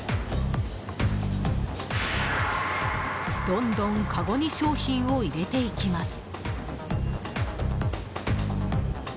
どんどんかごに商品を入れていきます。